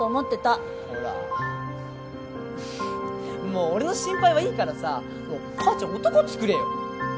もう俺の心配はいいからさ母ちゃん男つくれよ。